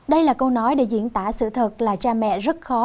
đây là câu nói để diễn tả sự thật là cha mẹ rất khó